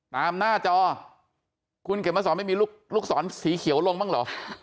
หน้าจอคุณเข็มมาสอนไม่มีลูกศรสีเขียวลงบ้างเหรอ